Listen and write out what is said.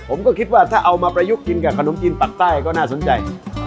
ผมก็คิดว่าถ้าเอามาประยุกต์กินกับขนมจีนปากใต้ก็น่าสนใจ